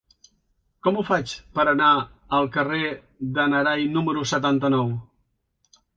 Com ho faig per anar al carrer de n'Arai número setanta-nou?